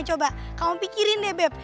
coba kamu pikirin deh bebe